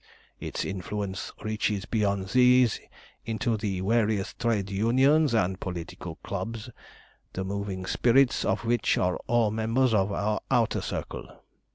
"Its influence reaches beyond these into the various trade unions and political clubs, the moving spirits of which are all members of our Outer Circle.